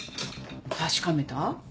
確かめた？